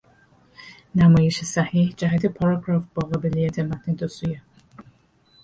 نمایش صحیح جهت پاراگراف با قابلیت متن دوسویه